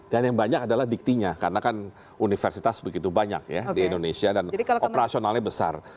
dan yang banyak adalah diktinya karena kan universitas begitu banyak ya di indonesia dan operasionalnya besar